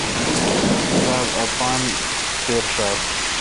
سوا با اپان کر شات۔